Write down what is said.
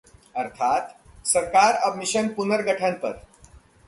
अर्थात्ः सरकार अब मिशन पुनर्गठन पर